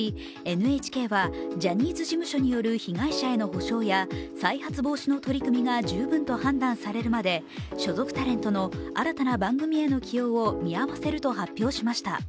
ＮＨＫはジャニーズ事務所による被害者への補償や再発防止の取り組みが十分と判断されるまで所属タレントの新たな番組への起用を見合わせると発表しました。